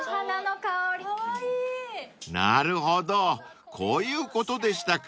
［なるほどこういうことでしたか］